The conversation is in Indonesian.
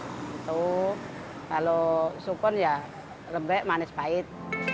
kalau sukun ya lembek manis pahit